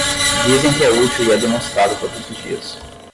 Dizem que é útil e é demonstrado todos os dias.